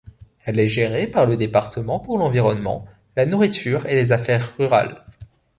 Elle est gérée par le département pour l'environnement, la nourriture et les affaires rurales.